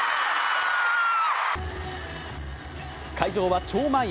会場は超満員。